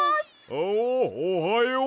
ああおはよう！